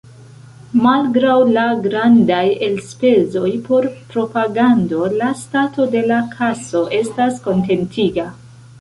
Malgraŭ la grandaj elspezoj por propagando, la stato de la kaso estas kontentiga.